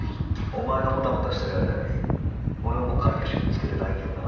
お前がモタモタしてる間に俺はもう借り主を見つけて内見だ。